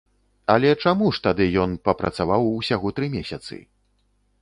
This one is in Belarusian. Але чаму ж тады ён папрацаваў ўсяго тры месяцы?